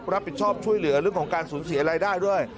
รับผิดชอบช่วยเหลือเรื่องของการสูญเสียรายได้ด้วย